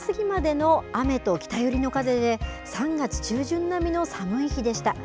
昼過ぎまでの雨と北寄りの風で、３月中旬並みの寒い日でした。